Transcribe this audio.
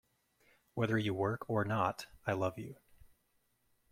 Whether you work or not I love you.